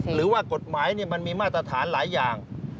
หรือว่ากฎหมายมันมีมาตรฐานหลายอย่าง